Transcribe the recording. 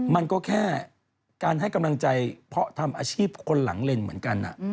มันก็แค่การให้กำลังใจเพราะทำอาชีพคนหลังเล่นเหมือนกัน